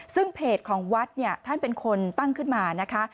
ซึ่งเพจของวัดเนี่ยท่านเป็นคนตั้งขึ้นมานะคะ